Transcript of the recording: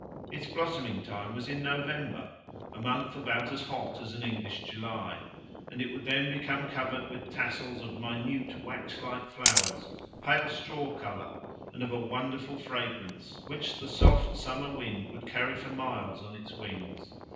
Its blossoming time was in November a month about as hot as an English July and it would then become covered with tassels of minute wax like flowers, pale straw colour, and of a wonderful fragrance, which the soft summer wind would carry for miles on its wings.